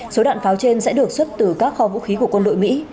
số đạn pháo trên sẽ được xuất từ các kho vũ khí của quân đội mỹ